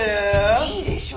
いいでしょ。